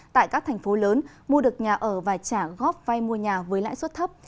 tại các thành phố lớn mua được nhà ở và trả góp vay mua nhà với lãi suất thấp